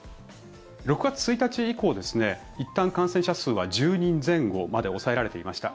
６月１日以降いったん感染者数は１０人前後まで抑えられていました。